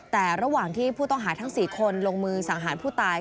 แต่ระหว่างที่ผู้ต้องหาทั้ง๔คนลงมือสังหารผู้ตาย